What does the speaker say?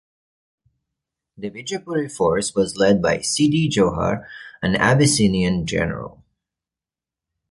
The Bijapuri force was led by Siddhi Johar, an Abyssinian general.